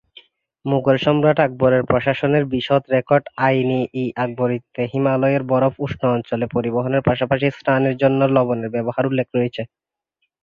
মুঘল সম্রাট আকবরের প্রশাসনের বিশদ রেকর্ড "আইন-ই-আকবরিতে" হিমালয়ের বরফ উষ্ণ অঞ্চলে পরিবহনের পাশাপাশি স্নানের জন্য লবণের ব্যবহারের উল্লেখ রয়েছে।